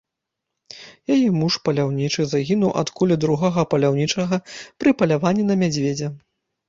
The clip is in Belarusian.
Яе муж, паляўнічы, загінуў ад кулі другога паляўнічага пры паляванні на мядзведзя.